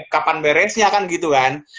kapan beresnya kan gitu kan